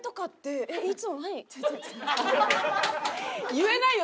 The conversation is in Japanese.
言えないよ！